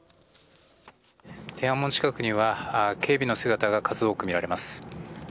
天安門近くには警備の姿が数多く見られます。